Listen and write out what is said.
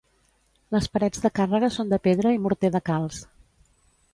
Les parets de càrrega són de pedra i morter de calç.